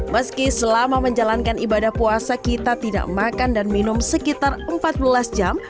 meski selama menjalankan ibadah puasa kita tidak makan dan minum sekitar empat belas jam